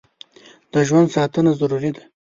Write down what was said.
د ژوند ساتنه ضروري ده.